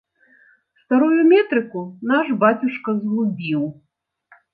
Старую метрыку наш бацюшка згубіў.